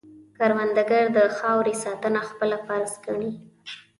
کروندګر د خاورې ساتنه خپله فرض ګڼي